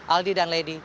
aldi dan lady